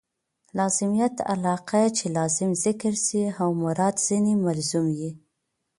لازمیت علاقه؛ چي لازم ذکر سي او مراد ځني ملزوم يي.